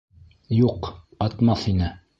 — Юҡ, атмаҫ ине.